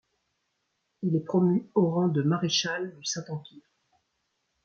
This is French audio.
Il est promu au rang de maréchal du Saint-Empire.